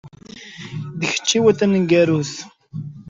D tikci-w taneggarut.